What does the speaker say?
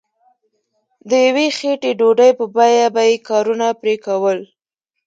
د یوې خیټې ډوډۍ په بیه به یې کارونه پرې کول.